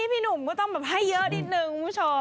ไปเยอะก็ต้องต้องให้เยอะนิดนึงคุณผู้ชม